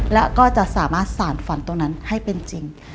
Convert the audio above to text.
และก็จะสามารถสารฝันตรงนั้นให้เป็นจริง